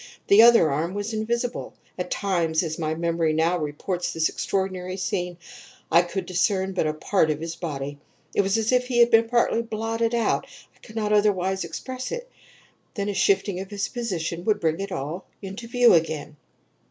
The other arm was invisible. At times, as my memory now reports this extraordinary scene, I could discern but a part of his body; it was as if he had been partly blotted out I can not otherwise express it then a shifting of his position would bring it all into view again.